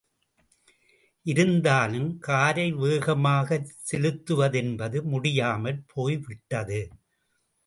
இருந்தாலும், காரை வேகமாகச் செலுத்துவதென்பது முடியாமற் போப்விட்டது.